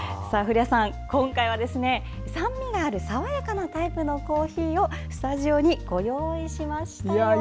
古谷さん、今回は酸味がある爽やかなタイプのコーヒーをスタジオにご用意しましたよ。